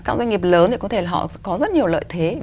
các doanh nghiệp lớn thì có thể họ có rất nhiều lợi thế